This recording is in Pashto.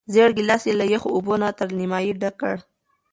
زېړ ګیلاس یې له یخو اوبو نه تر نیمايي ډک کړ.